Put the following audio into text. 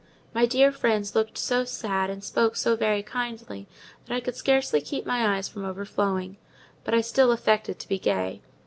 My dear friends looked so sad, and spoke so very kindly, that I could scarcely keep my eyes from overflowing: but I still affected to be gay.